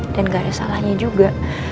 dan nggak ada salahnya juga